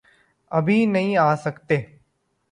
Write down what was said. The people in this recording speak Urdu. ابھی نہیں آسکتے۔۔۔